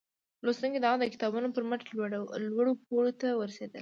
لوستونکي د هغه د کتابونو پر مټ لوړو پوړيو ته ورسېدل